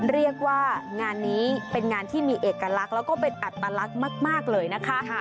เรียกว่างานนี้เป็นงานที่มีเอกลักษณ์แล้วก็เป็นอัตลักษณ์มากเลยนะคะ